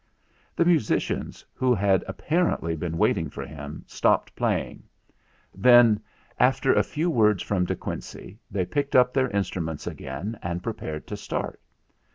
The musicians, who had apparently been waiting for him, stopped playing. Then, after 188 THE FLINT HEART a few words from De Quincey, they picked up their instruments again and prepared to start.